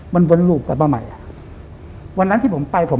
มันวนรูปกลับมาใหม่